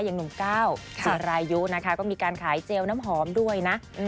อย่างหนุ่มก้าวจิรายุนะคะก็มีการขายเจลน้ำหอมด้วยนะ